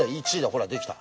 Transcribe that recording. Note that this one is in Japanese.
ほらできた。